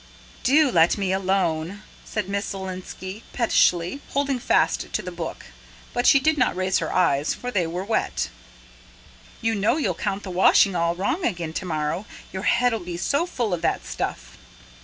"DO let me alone," said Miss Zielinski pettishly, holding fast to the book; but she did not raise her eyes, for they were wet. "You know you'll count the washing all wrong again to morrow, your head'll be so full of that stuff."